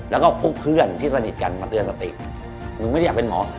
แล้วก็พวกเพื่อนที่สนิทกันมาเตือนสติหนูไม่ได้อยากเป็นหมอ